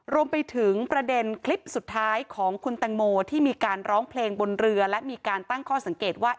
รวมไปถึงประเด็นคลิปสุดท้ายของคุณแตงโมที่มีการร้องเพลงบนเรือและมีการตั้งข้อสังเกตว่า